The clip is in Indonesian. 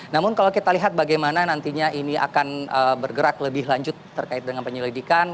namun kalau kita lihat bagaimana nantinya ini akan bergerak lebih lanjut terkait dengan penyelidikan